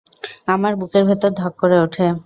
আমার বুকের ভেতর ধক করে উঠে।